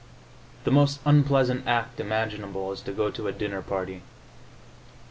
The most unpleasant act imaginable is to go to a dinner party.